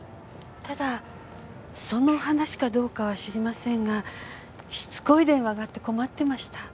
ただその話かどうかは知りませんがしつこい電話があって困ってました。